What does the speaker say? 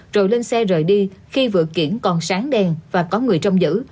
rồi lên xe rời đi khi vựa kiển còn sáng đen và có người trong giữ